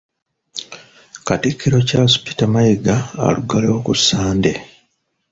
Katikkiro Charles Peter Mayiga aluggalewo ku Ssande.